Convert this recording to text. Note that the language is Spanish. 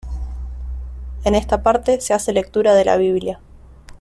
En esta parte, se hace lectura de la Biblia.